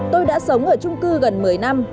tôi đã sống ở trung cư gần một mươi năm